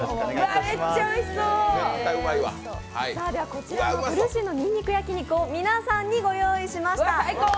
こちらのプルシンのにんにく焼肉を皆さんにご用意しました。